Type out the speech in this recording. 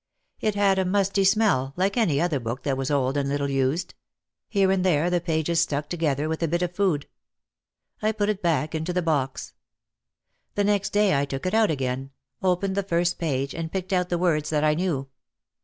It had a musty smell like any other book that was old and little used ; here and there the pages stuck together with a bit of food. I put it back into the box. The next day I took it out again, opened to the first page and picked out the words that I knew.